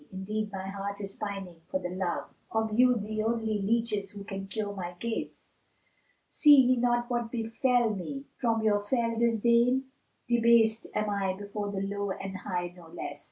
indeed my heart is pining for the love * Of you, the only leaches who can cure my case: See ye not what befel me from your fell disdain? * Debased am I before the low and high no less.